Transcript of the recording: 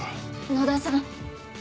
野田さん。